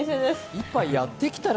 １杯やってきたら？